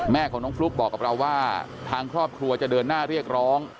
แม่ของน้องฟลุ๊กบอกกับเราว่าทางครอบครัวจะเดินหน้าเรียกร้อง